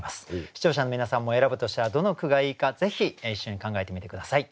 視聴者の皆さんも選ぶとしたらどの句がいいかぜひ一緒に考えてみて下さい。